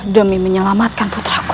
demi menyelamatkan putraku